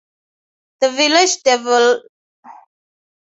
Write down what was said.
The village started rapidly developing into a town.